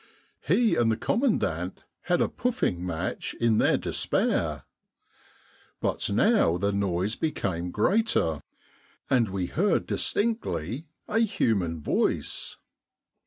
He and the commandant had a pouffing match in their despair. But now the noise became EBENEEZER THE GOAT 147 greater, and we heard distinctly a human voice.